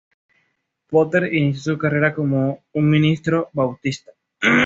Potter inició su carrera como un ministro bautista.